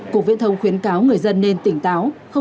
cục viễn thông khuyến cáo người dân nên tỉnh táo